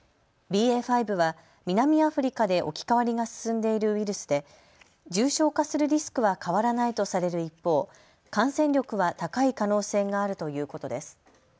ＢＡ．５は南アフリカで置き換わりが進んでいるウイルスで重症化するリスクは変わらないとされる一方、感染力は高い可能性があるということです。